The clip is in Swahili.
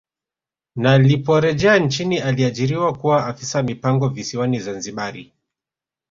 Na liporejea nchini aliajiriwa kuwa afisa mipango visiwani Zanzibari